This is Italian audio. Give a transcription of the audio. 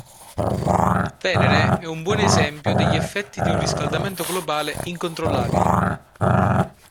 Venere è un buon esempio degli effetti di un riscaldamento globale incontrollabile.